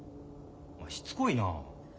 しつこいな。